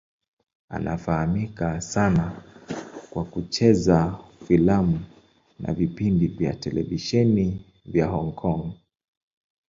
Anafahamika sana kwa kucheza filamu na vipindi vya televisheni vya Hong Kong.